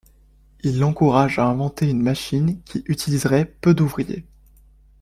Il l’encourage à inventer une machine qui utiliserait peu d’ouvriers.